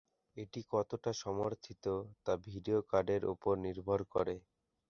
এটি কতটা সমর্থিত তা ভিডিও কার্ডের উপর নির্ভর করে।